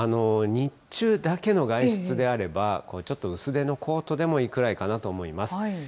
日中だけの外出であれば、ちょっと薄手のコートでもいいぐらいかなと思います。